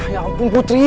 ya ampun putri